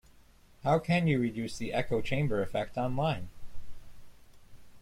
How can you reduce the echo chamber effect online?